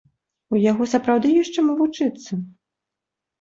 У яго сапраўды ёсць чаму вучыцца.